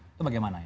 itu bagaimana ya